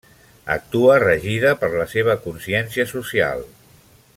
Actua regida per la seva consciència social.